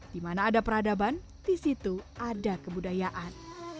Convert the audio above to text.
di mana ada peradaban di situ ada kebudayaan